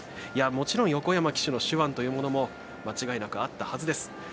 もちろん横山騎手の手腕というものも間違いなくあったはずです。